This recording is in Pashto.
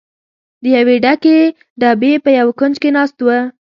د یوې ډکې ډبې په یوه کونج کې ناست و.